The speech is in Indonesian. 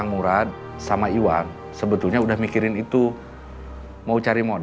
gimana penjualan lewat gobearfood